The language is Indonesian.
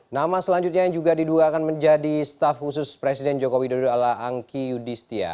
nama selanjutnya yang juga diduga akan menjadi staf khusus presiden joko widodo adalah angki yudhistia